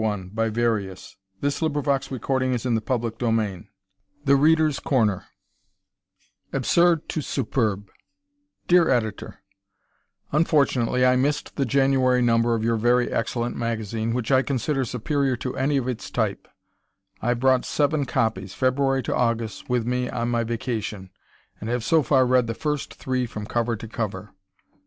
(The End) A meeting Place for Readers of Astounding Stories [Illustration: The Readers' Corner] "Absurd" to "Superb" Dear Editor: Unfortunately, I missed the January number of your very excellent magazine, which I consider superior to any of its type. I brought seven copies February to August with me on my vacation, and have so far read the first three from cover to cover.